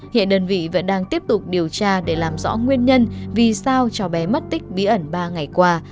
hiện đơn vị vẫn đang tiếp tục điều tra để làm rõ nguyên nhân vì sao cho bé mất tích bí ẩn ba ngày qua